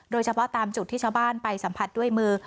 โดยเฉพาะตามจุดที่ชาวบ้านไปสัมผัสด้วยมือ